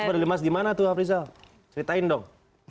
itu berlemas di mana tuh afrizal ceritain dong